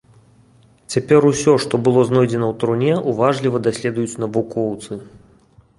Цяпер усё, што было знойдзена ў труне, уважліва даследуюць навукоўцы.